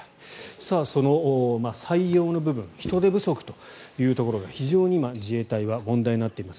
その採用の部分人手不足というところが非常に今自衛隊は問題になっています。